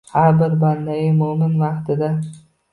Har bir bandai moʻmin vaqtida.